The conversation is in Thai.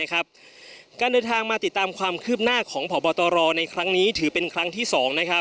การเดินทางมาติดตามความคืบหน้าของพบตรในครั้งนี้ถือเป็นครั้งที่๒